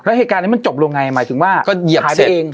แล้วเหตุการณ์นี้มันจบลงไงหมายถึงว่าก็เหยียบหายไปเอง